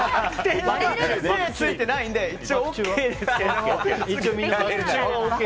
手はついてないので一応ＯＫですけど。